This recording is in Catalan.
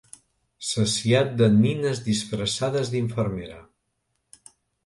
Saciat de nines disfressades d'infermera.